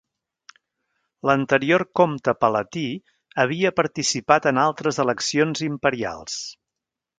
L'anterior comte palatí havia participat en altres eleccions Imperials.